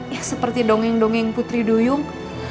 ya seperti dongeng dongeng putri duyung